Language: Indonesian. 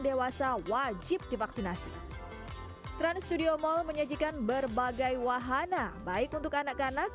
dewasa wajib divaksinasi trans studio mall menyajikan berbagai wahana baik untuk anak anak